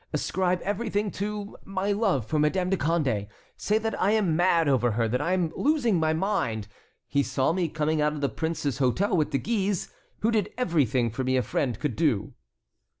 Ascribe everything to my love for Madame de Condé; say that I am mad over her, that I am losing my mind. He saw me coming out of the prince's hôtel with De Guise, who did everything for me a friend could do."